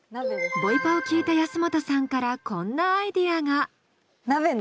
ボイパを聴いた安本さんからこんなアイディアが。